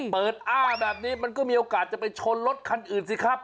อ้าแบบนี้มันก็มีโอกาสจะไปชนรถคันอื่นสิครับ